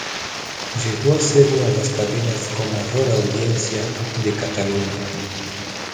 Llegó a ser una de las cadenas con mayor audiencia de Cataluña.